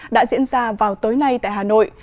đã diễn ra vào tối nay tại hà nội